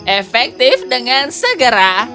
efektif dengan segera